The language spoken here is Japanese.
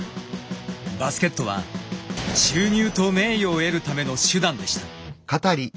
バスケットは収入と名誉を得るための手段でした。